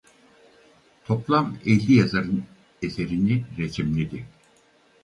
Toplam elli yazarın eserini resimledi.